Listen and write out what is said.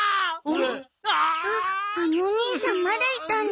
あっあのお兄さんまだいたんだ。